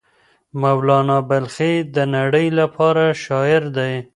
مولانا بلخي د نړۍ لپاره شاعر دی.